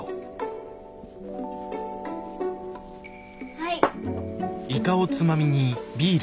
はい。